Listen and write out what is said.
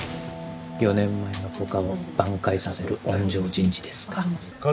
４年前のポカを挽回させる温情人事ですか？